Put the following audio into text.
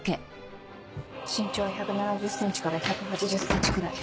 身長は１７０ｃｍから１８０ｃｍくらい。